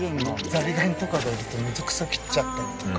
ザリガニとかがいると水草切っちゃったりとか。